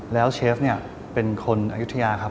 แล้วเชฟเนี่ยเป็นคนอายุทยาครับ